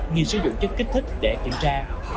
nghi sử dụng chất kích thích để kiểm tra